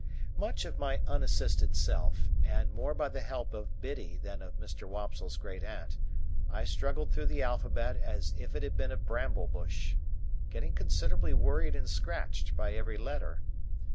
Much of my unassisted self, and more by the help of Biddy than of Mr. Wopsle's great aunt, I struggled through the alphabet as if it had been a bramble bush; getting considerably worried and scratched by every letter.